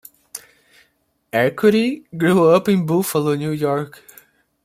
Arcudi grew up in Buffalo, New York.